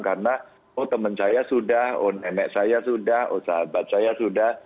karena oh teman saya sudah oh emek saya sudah oh sahabat saya sudah